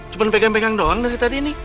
cuma pegang pegang doang dari tadi ini